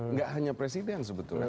nggak hanya presiden sebetulnya